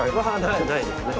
ないですね。